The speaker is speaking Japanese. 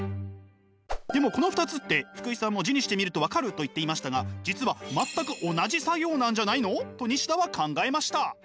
でもこの２つって福井さんも字にしてみると分かると言っていましたが実は全く同じ作業なんじゃないの？と西田は考えました。